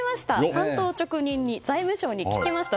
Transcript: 単刀直入に財務省に聞きました。